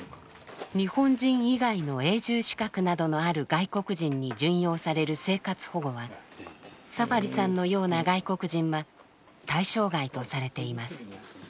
日本人以外の永住資格などのある外国人に準用される生活保護はサファリさんのような外国人は対象外とされています。